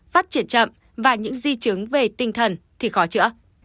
phát triển chậm và những di chứng về tinh thần thì khó chữa